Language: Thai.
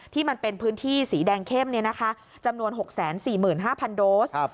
ที่เป็นพื้นที่สีแดงเข้มจำนวน๖๔๕๐๐โดส